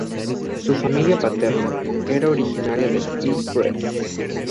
Su familia paterna era originaria de Ypres.